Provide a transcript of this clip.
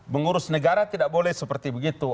mengurus negara tidak boleh seperti begitu